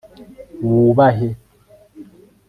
wubahe